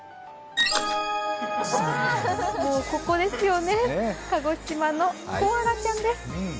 ここですよね、鹿児島のコアラちゃんです。